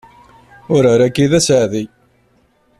Urar-agi d aseɛdi.